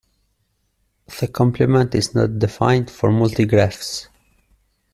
The complement is not defined for multigraphs.